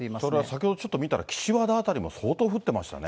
先ほどちょっと見たら、岸和田辺りも相当降ってましたね。